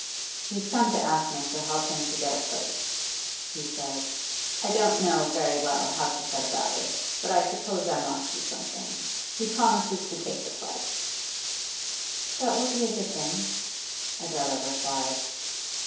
'He's come to ask me to help him to get a place,' he said. 'I don't know very well how to set about it, but I suppose I must do something. He promises to take the pledge.' 'That will be a good thing,' Adela replied.